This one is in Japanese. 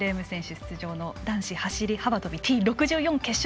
出場の男子走り幅跳びＴ６４決勝。